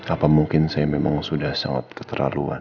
apa mungkin saya memang sudah sangat keterlaruan